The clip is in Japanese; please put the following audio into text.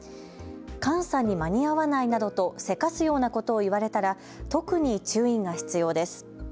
監査に間に合わないなどとせかすようなことを言われたら特に注意が必要です。